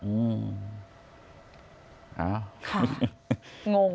อืม